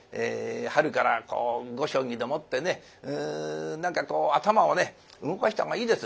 春から碁将棋でもってね何かこう頭をね動かしたほうがいいです。